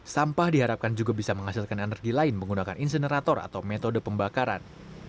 sampah diharapkan juga bisa menghasilkan energi lain menggunakan insenerator atau metode pembakaran